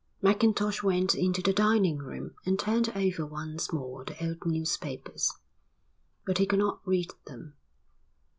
Mackintosh went into the dining room and turned over once more the old newspapers. But he could not read them.